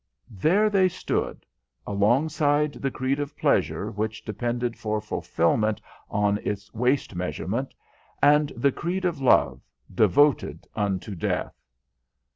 There they stood alongside the creed of pleasure, which depended for fulfilment on its waist measurement; and the creed of love, devoted unto death!